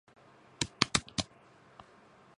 運手が目まぐるしく入れ替わる為に精度が非常に取りづらい。